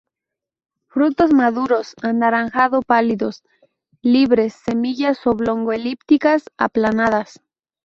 Frutos maduros anaranjado pálidos, libres; semillas oblongo-elípticas, aplanadas.